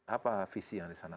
apa visi yang di sana